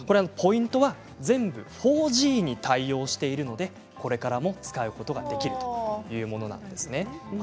ポイントは全部４Ｇに対応しているので、これからも使うことができるというものなんですね。